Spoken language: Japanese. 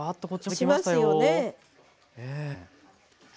しますよね。